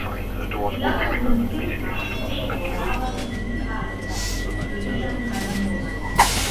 La nuntempa urbego havas du partojn: historian kaj novan.